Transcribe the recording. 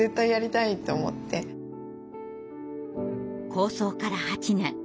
構想から８年。